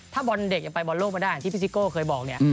ถ้าบอลเด็กยังไปบอลโลกมาได้อย่างที่พี่ซิโก้เคยบอกเนี่ย